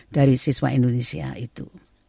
dari siswa indonesia itu